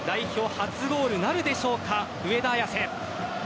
初ゴールなるでしょうか上田綺世。